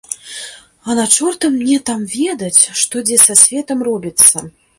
А на чорта мне там ведаць, што дзе за светам робіцца.